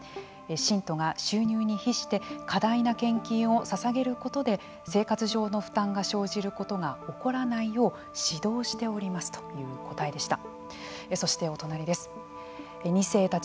信徒が収入に比して過大な献金をささげることで生活上の負担が生じることが起こらないよう指導しておりますという答えでした。